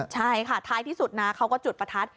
ใช่ค่ะท้ายที่สุดนะเขาก็จุดประทัด